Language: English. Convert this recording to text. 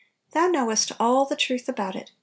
Thou know est all the truth about it!